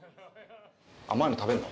甘いの食べるの？